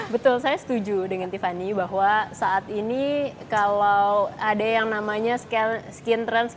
betul saya setuju dengan tiffany bahwa saat ini kalau ada yang namanya skincare